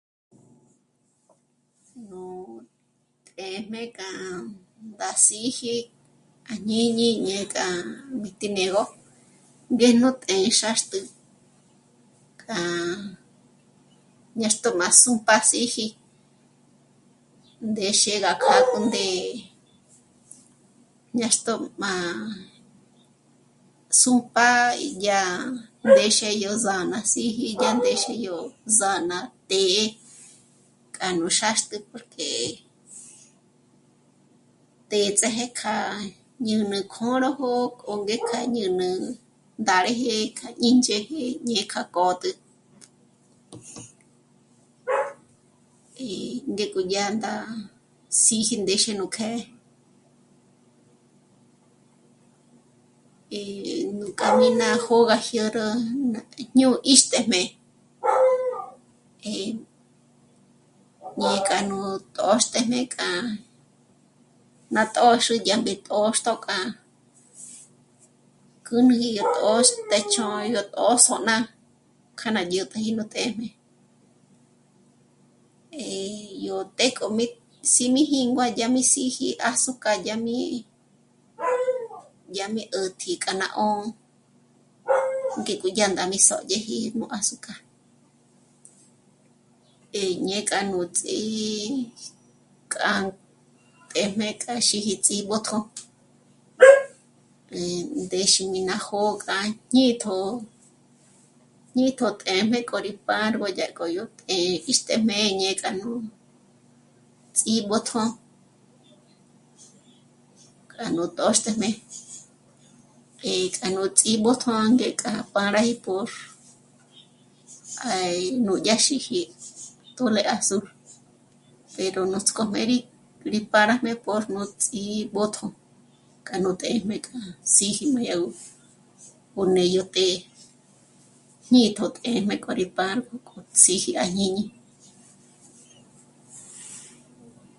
Nú téjm'e k'a pasíji à jñíñi ñé k'a mí tí né'egö ngéjnu téndzhe zhàxtjü ñá... ñâxto má s'úp'a síji, ndéxe gá kjâkjü ndé, ñâxto má s'úmp'a í yá ndéxe yó zǎnaziji yá ndéxe yó zǎna té'e k'a nú xáxtü porque těndzeje k'a ñä̌nä kjôrojo k'o ngék'a ñä̌nä ndáreje k'a ínch'ë́je ñé kjâ'a kjôtjü. í ngék'o yá ndá síji ndéxe nú kjë́'ë, eh... nú kjâ'a mí ná jó'o gá jyä̂rü ñú 'íxtjem'e, eh... ñé k'a nú tö́xtéjm'e k'a ná tö́xü yá mbétö́xtjo k'a kjǘnüji yó póxpë́ch'o yó tö̌s'on'a k'a ná dyä̀t'äji nú téjm'e, eh... yó té k'o mí sí mí jíngua yá mi síji azúcar yá mí, yá mi 'ä̀tji k'a 'ṑ'ō ngék'o dyá ndá mí sódyeji nú azúcar, eh... ñé k'a nú ts'í kjâ'a téjm'e k'a xíji ts'ímbójtjo eh... ndéxe mí ná jó'o k'a në́tjṓ'ō, në́tjṓ'ō téjm'e k'o rí párgo dyá k'o yó té'e 'íxtéjm'e ñe k'a nú ts'íb'ójtjo k'a nú tö́xtéjm'e. Eh... k'a nú tsíb'ójtjo ngék'a rá páraji por ah... nú dyáxiji tûn'e azul pero nuts'k'ójmé rí párajmé por nú ts'íb'ójtjo k'a nú téjm'e k'a síji má yá gó ó nédyo té'e, ñë̌tjo téjm'e k'o rí párgo síji à jñíñi